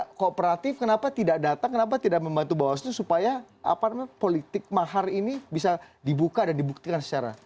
karena kooperatif kenapa tidak datang kenapa tidak membantu bawaslu supaya politik mahar ini bisa dibuka dan dibuktikan secara